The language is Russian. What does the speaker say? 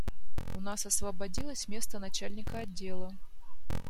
У нас освободилось место начальника отдела.